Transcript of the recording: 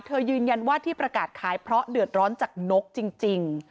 ยืนยันว่าที่ประกาศขายเพราะเดือดร้อนจากนกจริง